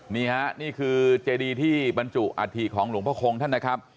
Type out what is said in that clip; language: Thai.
นี่ฮะนี่คือเจดีที่บรรจุอาธิของหลวงพระคงท่านนะครับ